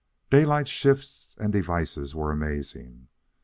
Daylight's shifts and devices were amazing.